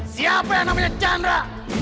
siapa yang namanya chandra